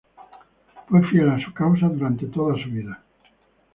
Fue fiel a su causa durante toda su vida.